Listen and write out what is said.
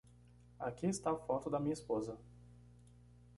Aqui está a foto da minha esposa.